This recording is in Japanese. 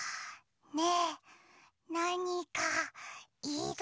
ねえなにかいる？